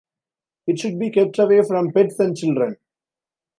It should be kept away from pets and children.